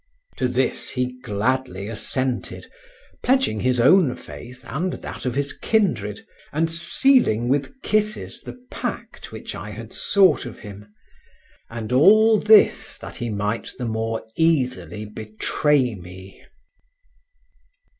To this he gladly assented, pledging his own faith and that of his kindred, and sealing with kisses the pact which I had sought of him and all this that he might the more easily betray me.